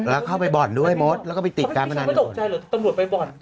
แล้วเข้าไปบ่อนด้วยมดแล้วก็ไปติดการพนันตกใจเหรอตำรวจไปบ่อน